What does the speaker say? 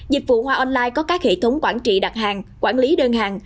dịch vụ hoa online có các hệ thống quản trị đặt hàng quản lý đơn hàng